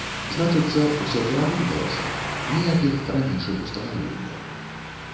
Значыцца, усё пераблыталася, ніякіх ранейшых устанаўленняў.